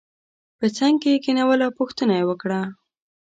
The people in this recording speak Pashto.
په څنګ کې یې کېنول او پوښتنه یې وکړه.